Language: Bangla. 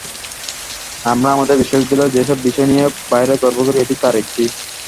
আমরা আমাদের বিশ্ববিদ্যালয়ের যেসব বিষয় নিয়ে বাইরে গর্ব করি, এটি তার একটি।